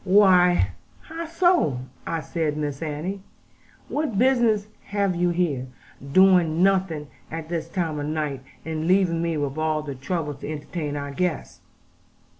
'Why, how so?' said I; 'Miss Annie, what business have you here, doing nothing at this time of night? And leaving me with all the trouble to entertain our guests!'